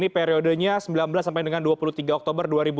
periodenya sembilan belas sampai dengan dua puluh tiga oktober dua ribu dua puluh